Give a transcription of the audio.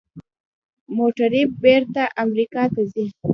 موټرې بیرته امریکا ته ځي.